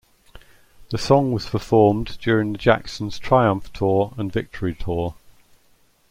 The song was performed during The Jacksons' Triumph Tour and Victory Tour.